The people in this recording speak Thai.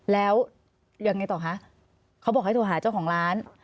แล้วยังไงต่อคะเขาบอกให้โทรหาเจ้าของร้าน